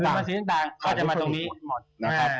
เขาจะมาตรงนี้หมด